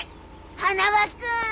花輪君！